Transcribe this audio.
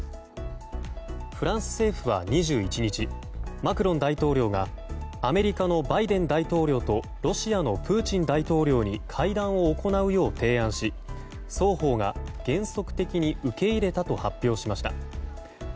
フランス政府は２１日マクロン大統領がアメリカのバイデン大統領とロシアのプーチン大統領に会談を行うよう提案し双方が原則的に受け入れたと発表しました。